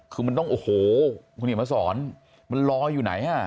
คือมันต้องโอ้โหคุณเห็นมาสอนมันลอยอยู่ไหนอ่ะ